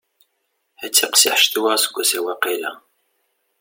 Ad tiqsiḥ ccetwa aseggas-a waqila.